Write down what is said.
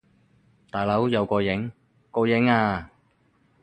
大佬，有個影！個影呀！